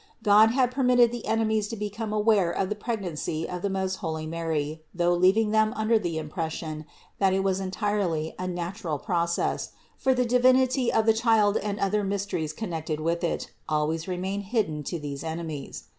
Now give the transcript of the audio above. God had permitted the enemies to become aware of the pregnancy of the most holy Mary, though leaving them under the impression, that it was entirely a natural process ; for the Divinity of the Child and other mysteries connected with It always remained hidden to these enemies.